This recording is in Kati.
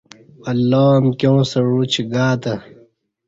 اللہ امکیاں ستہ عوچ گاتہ